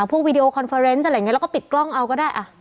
วีดีโอคอนเฟอร์เนส์อะไรอย่างนี้แล้วก็ปิดกล้องเอาก็ได้